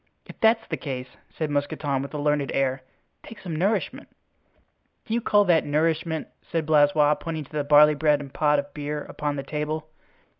"If that's the case," said Mousqueton, with a learned air, "take some nourishment." "Do you call that nourishment?" said Blaisois, pointing to the barley bread and pot of beer upon the table.